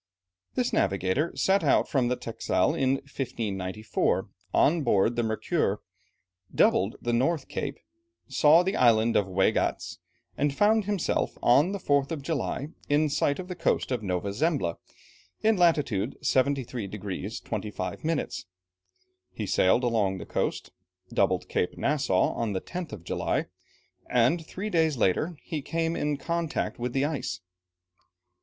This navigator set out from the Texel in 1594, on board the Mercure, doubled the North Cape, saw the island of Waigatz, and found himself, on the 4th of July, in sight of the coast of Nova Zembla, in latitude 73 degrees 25 minutes. He sailed along the coast, doubled Cape Nassau on the 10th of July, and three days later he came in contact with the ice.